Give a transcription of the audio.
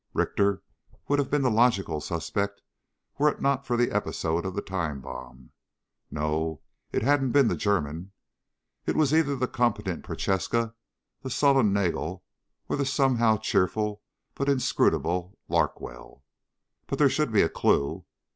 Richter would have been the logical suspect were it not for the episode of the time bomb. No, it hadn't been the German. It was either the competent Prochaska, the sullen Nagel or the somehow cheerful but inscrutable Larkwell. But there should be a clue.